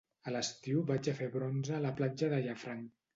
I a l'estiu vaig a fer bronze a la platja de Llafranc.